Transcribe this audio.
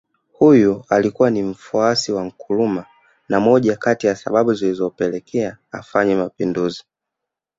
Huyu alikuwa ni mfuasi wa Nkrumah na moja kati ya sababu zilizopelekea afanye Mapinduzi